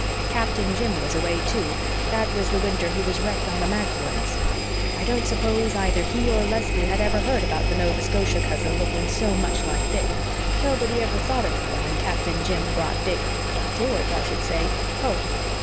Captain Jim was away, too that was the winter he was wrecked on the Magdalens. I don't suppose either he or Leslie had ever heard about the Nova Scotia cousin looking so much like Dick. Nobody ever thought of him when Captain Jim brought Dick George, I should say home.